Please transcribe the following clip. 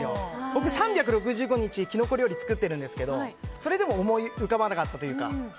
僕３６５日、キノコ料理を作っているんですけどそれでも思い浮かばなかったというか。